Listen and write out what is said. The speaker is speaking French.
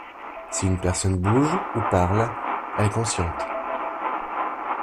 Si une personne bouge ou parle, elle est consciente.